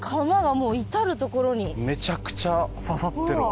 めちゃくちゃ刺さってるわ。